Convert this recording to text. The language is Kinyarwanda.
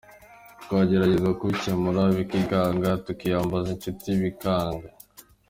Twagerageza kubikemura bikanga, tukwiyambaza inshuti bikanga.